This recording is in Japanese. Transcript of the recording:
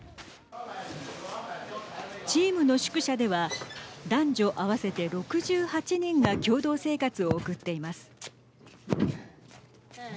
チームの宿舎では男女合わせて６８人が共同生活を送っています。